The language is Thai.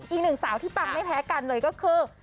อีกหนึ่งสาวที่ปังไม่แพ้กันเลยก็คือ